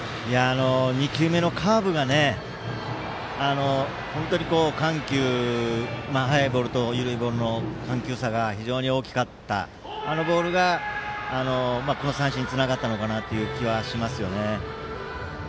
２球目のカーブが本当に緩急、速いボールと緩いボールの緩急差が非常に大きかった、あのボールがこの三振につながったのかなという気はしますよね。